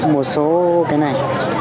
một số cái này